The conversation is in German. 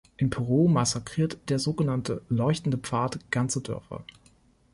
In Peru massakriert der sogenannte "Leuchtende Pfad" ganze Dörfer.